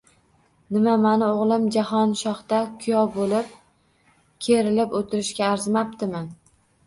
Nima, mani o`g`lim Jahonshohda kuyov bo`lib, kerilib o`tirishga arzimabdimi